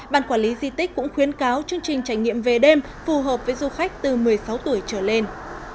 ban quản lý di tích cũng khuyến cáo chương trình trải nghiệm về đêm phù hợp với du khách từ một mươi sáu tuổi trở lên